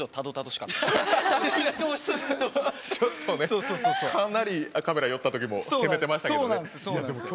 かなりカメラ寄ったときも攻めてましたけどね。